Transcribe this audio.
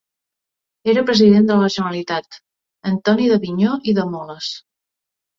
Era President de la Generalitat Antoni d'Avinyó i de Moles.